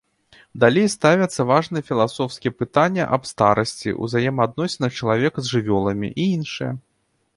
Далей ставяцца важныя філасофскія пытанні аб старасці, узаемаадносінах чалавека з жывёламі і іншыя.